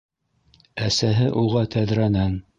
Әсәһе уға тәҙрәнән: